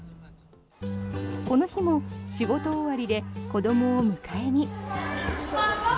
この日も仕事終わりで子どもを迎えに。